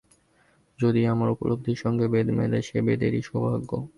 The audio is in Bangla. যদি আমার উপলব্ধির সঙ্গে বেদ মেলে, সে বেদেরই সৌভাগ্য।